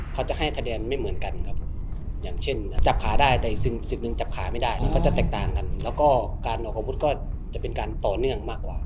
เขาจะได้คะแนนชัดเจน